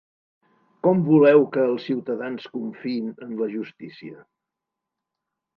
Com voleu que els ciutadans confiïn en la justícia?